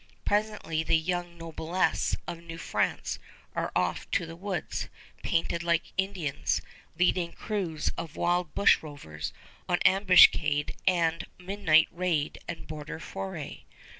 Presently the young noblesse of New France are off to the woods, painted like Indians, leading crews of wild bushrovers on ambuscade and midnight raid and border foray.